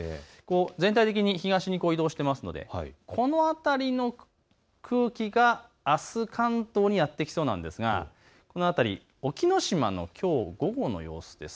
全体的に東に移動していますのでこの辺りの空気があす関東にやって来そうなんですがこの辺り、隠岐島のきょうの午後の様子です。